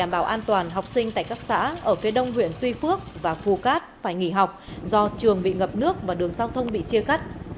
bảo an toàn học sinh tại các xã ở phía đông huyện tuy phước và phu cát phải nghỉ học do trường bị ngập nước và đường giao thông bị chia cắt